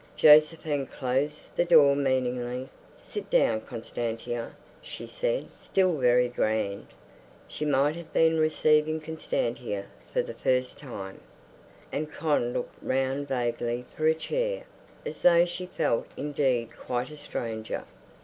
Josephine closed the door meaningly. "Sit down, Constantia," she said, still very grand. She might have been receiving Constantia for the first time. And Con looked round vaguely for a chair, as though she felt indeed quite a stranger.